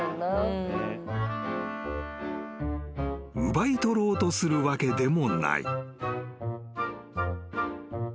［奪い取ろうとするわけでもない］